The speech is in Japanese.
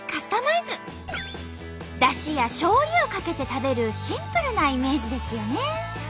だしやしょうゆをかけて食べるシンプルなイメージですよね。